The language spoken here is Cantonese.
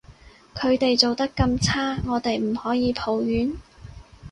佢哋做得咁差，我哋唔可以抱怨？